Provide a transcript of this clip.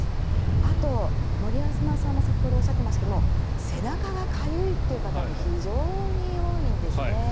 あと、森山さんも先ほどおっしゃっていましたが背中がかゆいという方が非常に多いんですね。